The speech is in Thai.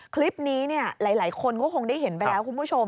คลิปนี้หลายคนก็คงได้เห็นไปแล้วคุณผู้ชม